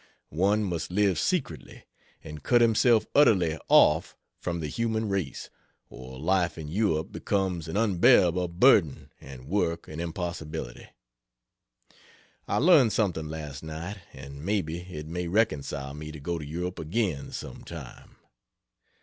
One must live secretly and cut himself utterly off from the human race, or life in Europe becomes an unbearable burden and work an impossibility. I learned something last night, and maybe it may reconcile me to go to Europe again sometime.